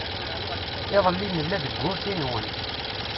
Iḍelli nella deg urti-nwen.